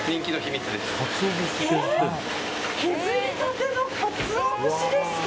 削りたてのカツオ節ですか。